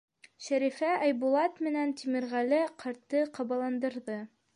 Шәрифә Айбулат менән Тимерғәле ҡартты ҡабаландырҙы.